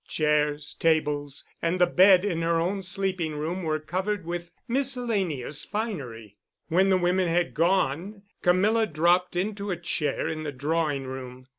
Chairs, tables, and the bed in her own sleeping room were covered with miscellaneous finery. When the women had gone, Camilla dropped into a chair in the drawing room.